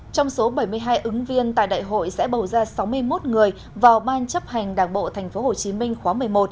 trong số bảy mươi hai ứng viên tại đại hội sẽ bầu ra sáu mươi một người vào ban chấp hành đảng bộ tp hcm khóa một mươi một